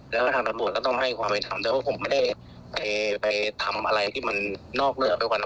แล้วก็ทางทำบุญก็ต้องให้ความไว้ทำแต่ว่าผมไม่ได้ไปไปทำอะไรที่มันนอกเลือกไปกว่านั้น